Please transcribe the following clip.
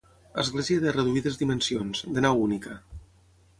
Església de reduïdes dimensions, de nau única.